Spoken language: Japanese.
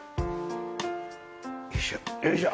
よいしょよいしょ。